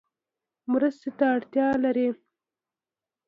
مرستې ته اړتیا لری؟